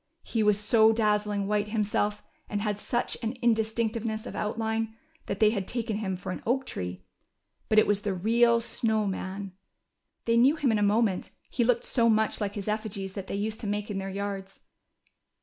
He was so dazzling white him self, and had such an indistinctness of outline, that they had taken him for an oak tree. But it Avas the real Snow Man. They knew him in a moment, he looked so much like his effigies that they used to make in their yards.